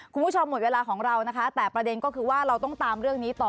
คุณผู้ชมหมดเวลาของเรานะคะแต่ประเด็นก็คือว่าเราต้องตามเรื่องนี้ต่อ